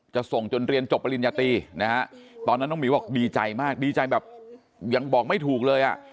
ส่งจนเรียนจบปริญญาตีนะฮะตอนนั้นน้องหมิวบอกดีใจมากดีใจแบบยังบอกไม่ถูกเลยอ่ะ